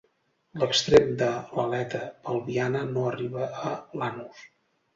L'extrem de l'aleta pelviana no arriba a l'anus.